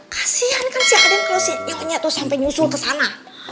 kasian kan si aden kalau si nyonya tuh sampai nyusul ke sana